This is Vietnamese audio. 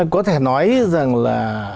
có thể nói rằng là